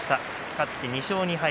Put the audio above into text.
勝って２勝２敗。